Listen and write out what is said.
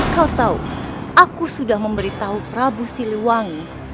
kau tahu aku sudah memberitahu prabu siliwangi